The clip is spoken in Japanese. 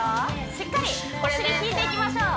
しっかりお尻きいていきましょう